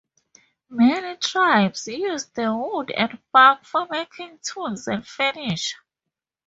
Many tribes used the wood and bark for making tools and furniture.